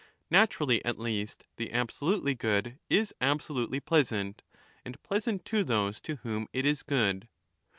Naturally, at least, the absolutely good is absolutely pleasant, and pleasant to those to whom it is good.